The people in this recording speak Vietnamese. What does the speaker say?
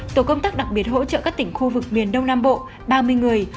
tổ công tác đặc biệt hỗ trợ các tỉnh khu vực miền đông nam bộ ba mươi người